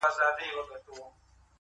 د جنګونو د شیطان قصر به وران سي!.